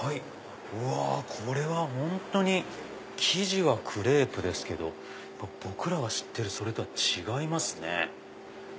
うわこれは本当に生地はクレープですけど僕らが知ってるそれとは違いますね。